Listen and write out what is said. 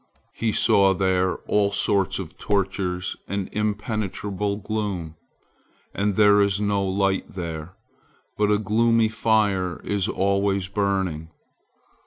He saw there all sorts of tortures, and impenetrable gloom, and there is no light there, but a gloomy fire is always burning.